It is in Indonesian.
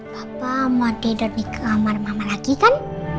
papa mau tidur di kamar mama lagi kan